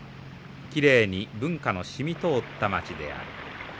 きれいに文化のしみとおったまちである」。